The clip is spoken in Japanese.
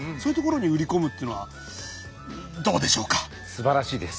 すばらしいです。